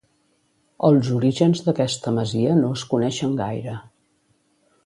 Els orígens d'aquesta masia no es coneixen gaire.